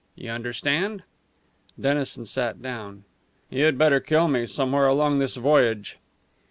You understand?" Dennison sat down. "You'd better kill me somewhere along this voyage."